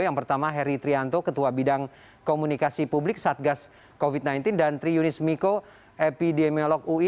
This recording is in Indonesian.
yang pertama heri trianto ketua bidang komunikasi publik satgas covid sembilan belas dan tri yunis miko epidemiolog ui